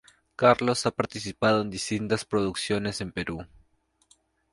Carlos ha participado en distintas producciones en Perú.